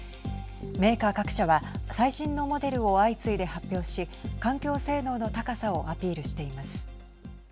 メーカー各社は最新のモデルを相次いで発表し環境性能の高さをアピールしています。